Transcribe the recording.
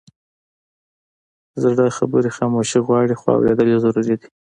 زړه خبرې خاموشي غواړي، خو اورېدل یې ضروري دي.